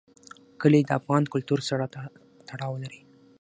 کلي د افغان کلتور سره تړاو لري.